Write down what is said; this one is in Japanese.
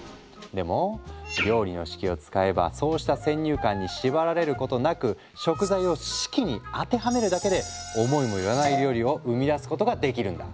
でも料理の式を使えばそうした先入観に縛られることなく食材を式に当てはめるだけで思いもよらない料理を生み出すことができるんだ。